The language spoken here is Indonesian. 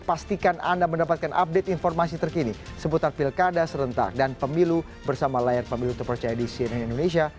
pastikan anda mendapatkan update informasi terkini seputar pilkada serentak dan pemilu bersama layar pemilu terpercaya di cnn indonesia